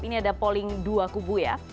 ini ada polling dua kubu ya